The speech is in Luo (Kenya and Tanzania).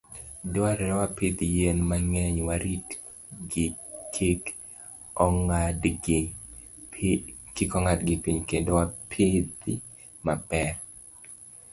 Dwarore wapidh yien mang'eny, waritgi kik ong'adgi piny, kendo wapidhi maber.